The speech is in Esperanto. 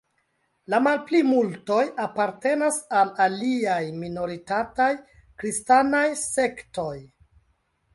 La malplimultoj apartenas al aliaj minoritataj kristanaj sektoj.